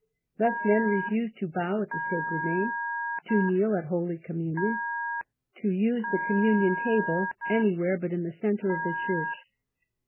Thus men refused to bow at the Sacred Name, to kneel at Holy Communion, to use the Communion Table anywhere but in the centre of the church.